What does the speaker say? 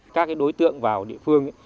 các đối tượng vào địa phương